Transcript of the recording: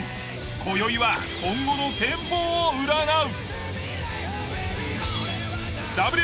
今宵は今後の展望を占う。